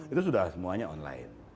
itu sudah semuanya online